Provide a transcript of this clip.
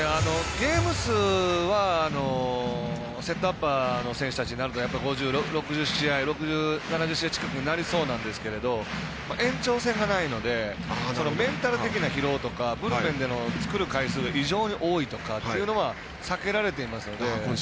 ゲーム数はセットアッパーの選手たちになると６０試合７０試合試合近くなりそうなんですけど延長戦がないのでメンタル的な疲労とかブルペンでの作る回数が異常に多いとかいうのは避けられていますので。